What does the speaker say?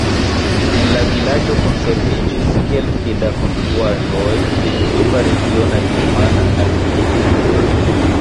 En la vilaĝo konserviĝis kelke da konstruaĵoj de tipa regiona germana arkitekturo.